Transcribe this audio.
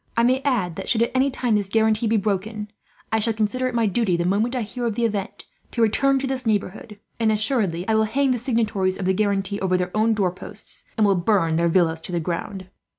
"I may add that, should at any time this guarantee be broken, I shall consider it my duty, the moment I hear of the event, to return to this neighbourhood; and assuredly I will hang the signatories of the guarantee over their own door posts, and will burn their villas to the ground.